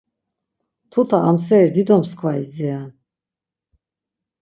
Tuta amseri dido mskva idziren.